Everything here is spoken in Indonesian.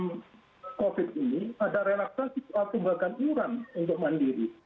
kemas kondisi covid ini ada relaksasi untuk membagi uang untuk mandiri